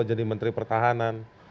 jadi menteri pertahanan